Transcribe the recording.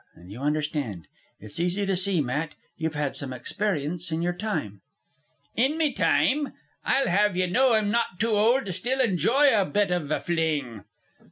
And you understand. It's easy to see, Matt, you've had some experience in your time." "In me time? I'll have ye know I'm not too old to still enjoy a bit iv a fling."